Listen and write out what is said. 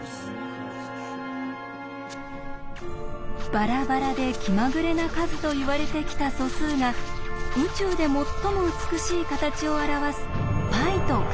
バラバラで気まぐれな数といわれてきた素数が宇宙で最も美しい形を表すπと関係がある。